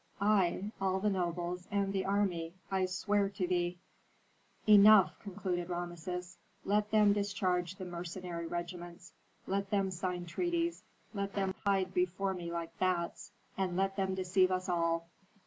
"I, all the nobles, and the army, I swear to thee." "Enough!" concluded Rameses. "Let them discharge the mercenary regiments, let them sign treaties, let them hide before me like bats, and let them deceive us all.